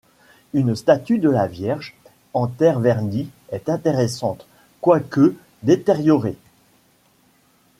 Une statue de la Vierge en terre vernie est intéressante, quoique détériorée.